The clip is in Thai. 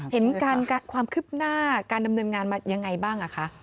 เห็นความคืบหน้าการดำเนินงานมายังไงบ้างคะ